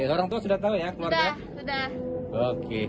orangtua sudah tahu ya keluarga